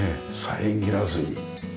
遮らずに。